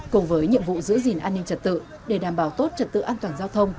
cùng với nhiệm vụ giữ gìn an ninh trật tự để đảm bảo tốt trật tự an toàn giao thông